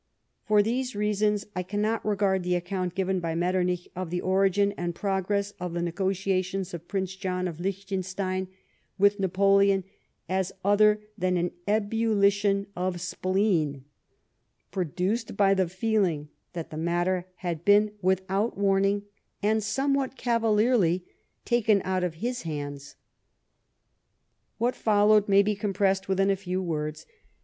For these reasons I cannot regard the account given by Metternich of the origin and progress of the negotiations of Prince John of Liechtenstein with Napoleon as other than an ebullition of spleen, produced by the feeling that the matter had been, without warning and somewhat cavalierly, taken out of his hands. What followed may be compressed within a few words.